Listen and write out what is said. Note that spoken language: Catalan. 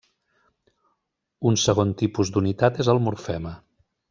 Un segon tipus d'unitat és el morfema.